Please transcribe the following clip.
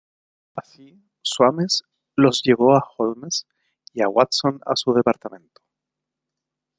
Así, Soames los llevó a Holmes y a Watson a su departamento.